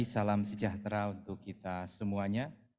salam sejahtera untuk kita semuanya